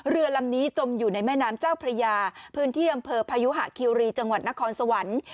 เรือลำนี้จมอยู่ในแม่น้ำเจ้าพระยาพื้นที่อำเภอพยุหะคิวรีจังหวัดนครสวรรค์